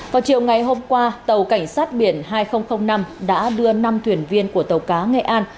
vào chiều ngày hôm qua tàu cảnh sát biển hai nghìn năm đã đưa năm thuyền viên của tàu cá nghệ an